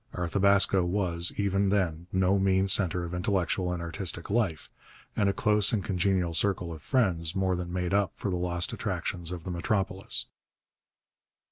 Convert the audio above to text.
Arthabaska was, even then, no mean centre of intellectual and artistic life, and a close and congenial circle of friends more than made up for the lost attractions of the metropolis.